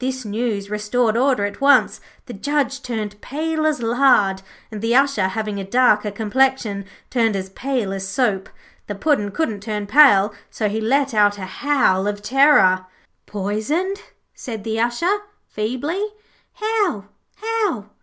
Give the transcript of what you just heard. This news restored order at once. The Judge turned pale as lard, and the Usher, having a darker complexion, turned as pale as soap. The Puddin' couldn't turn pale, so he let out a howl of terror. 'Poisoned,' said the Usher, feebly. 'How, how?'